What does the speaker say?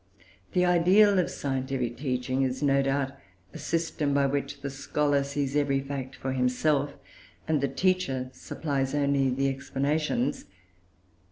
The ideal of scientific teaching is, no doubt, a system by which the scholar sees every fact for himself, and the teacher supplies only the explanations.